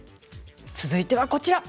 続いてはこちら。